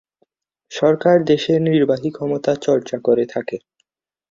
সরকার দেশের নির্বাহী ক্ষমতা চর্চা করে থাকে।